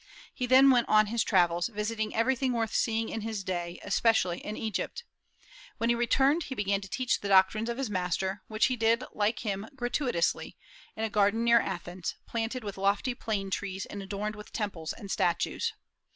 He then went on his travels, visiting everything worth seeing in his day, especially in Egypt. When he returned he began to teach the doctrines of his master, which he did, like him, gratuitously, in a garden near Athens, planted with lofty plane trees and adorned with temples and statues.